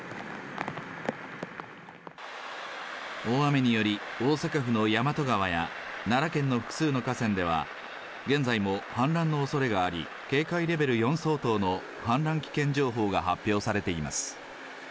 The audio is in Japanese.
大雨により、大阪府の大和川や奈良県の複数の河川では、現在も氾濫のおそれがあり、警戒レベル４相当の氾濫危険情報が発表されています。